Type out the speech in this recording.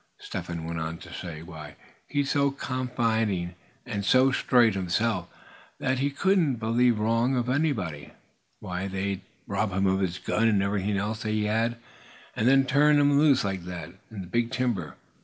Step Hen went on to say, "Why, he's so confiding, and so straight himself, that he couldn't believe wrong of anybody. Why, they'd rob him of his gun, and everything else he had; and then turn him loose like that, in the big timber.